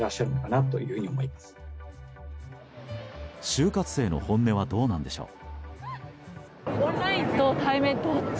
就活生の本音はどうなんでしょう。